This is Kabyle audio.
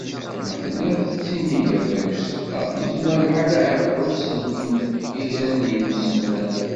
Ma telliḍ tettinigeḍ deg uzeṭṭa, yezmer lḥal ahat εussen-kem-id kra n yismal.